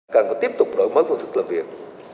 càng phải tiếp tục đổi mới phương thực làm việc